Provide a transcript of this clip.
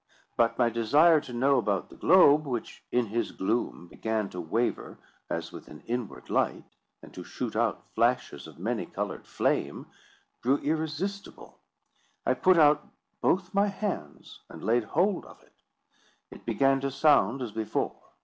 But my desire to know about the globe, which in his gloom began to waver as with an inward light, and to shoot out flashes of many coloured flame, grew irresistible. I put out both my hands and laid hold of it. It began to sound as before.